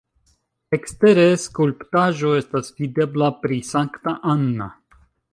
Ekstere skulptaĵo estas videbla pri Sankta Anna.